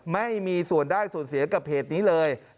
ไม่มีส่วนได้ส่วนเสียกับเพจนี้เลย